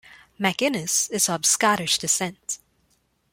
MacInnis is of Scottish descent.